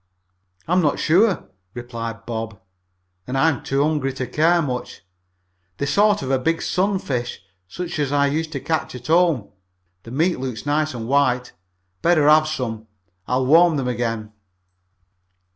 "I'm not sure," replied Bob, "and I'm too hungry to care much. They're a sort of big sun fish, such as I used to catch at home. The meat looks nice and white. Better have some. I'll warm them again."